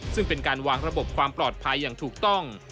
ซึ่งเป็นการวางระบบความปลอดภัยอย่างถูกต้อง